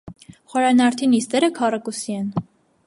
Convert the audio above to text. Խորանարդի նիստերը քառակուսի են։